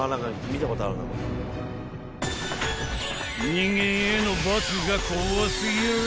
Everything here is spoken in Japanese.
［人間への罰が怖すぎる！